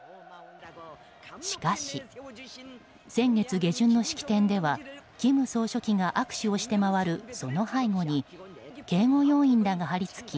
しかし、先月下旬の式典では金総書記が握手をして回るその背後に警護要員らが張り付き